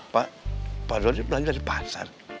pak pak roti belanja di pasar